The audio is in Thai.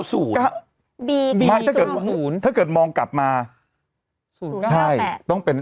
ศูนย์บีถ้าเกิดถ้าเกิดมองกลับมาศูนย์เก้าแปดใช่ต้องเป็น